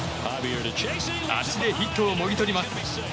足でヒットをもぎ取ります。